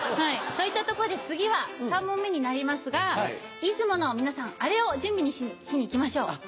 といったとこで次は３問目になりますがいつもの皆さんあれを準備しに行きましょう。